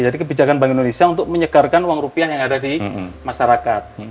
jadi kebijakan bank indonesia untuk menyegarkan uang rupiah yang ada di masyarakat